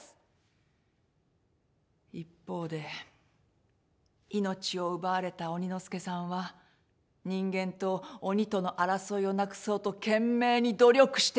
一方で命を奪われた鬼ノ助さんは人間と鬼との争いをなくそうと懸命に努力していました。